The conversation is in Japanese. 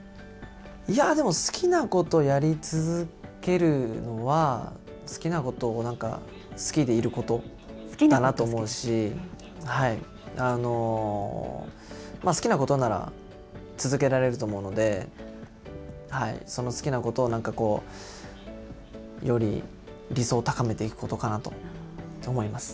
いやー、でも、好きなことをやり続けるのは、好きなことをなんか、好きでいることだなと思うし、好きなことなら続けられると思うので、その好きなことを、なんかこう、より理想を高めていくことかなと思います。